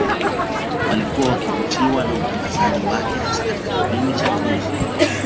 Walikuwa wakivutiwa na utangaziji wake hasa katika kipindi cha kruzi